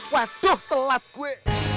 waduh telat gue